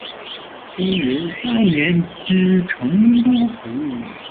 熙宁三年知成都府。